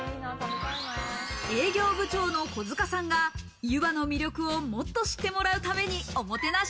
営業部長の狐塚さんが、ゆばの魅力をもっと知ってもらうためにおもてなし。